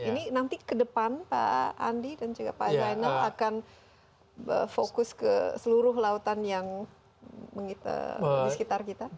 ini nanti ke depan pak andi dan juga pak zainal akan fokus ke seluruh lautan yang di sekitar kita